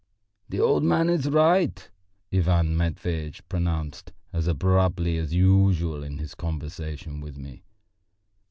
"The old man is right," Ivan Matveitch pronounced as abruptly as usual in his conversation with me.